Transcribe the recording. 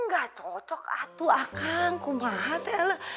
nggak cocok atuh akang kumah atuh